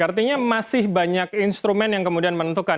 artinya masih banyak instrumen yang kemudian menentukan